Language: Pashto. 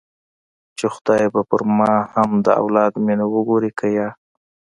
چې خداى به په ما باندې هم د اولاد مينه وګوري که يه.